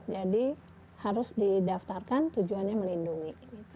jadi harus didaftarkan tujuannya melindungi